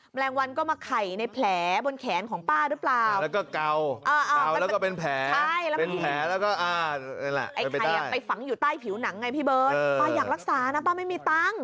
แมลงวันก็มาไข่ในแผลบนแขนของป้าหรือเปล่า